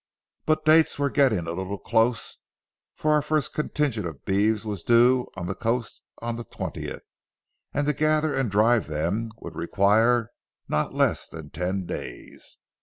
But dates were getting a little close, for our first contingent of beeves was due on the coast on the twentieth, and to gather and drive them would require not less than ten days.